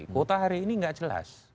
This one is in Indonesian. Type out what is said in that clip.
kuota hari ini tidak jelas